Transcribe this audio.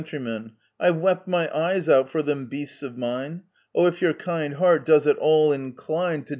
I've wept my eyes out for them beasts of mine ! Oh, if your kind heart does at all incline *" What are you